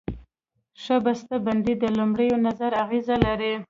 ښه بسته بندي د لومړي نظر اغېز لري.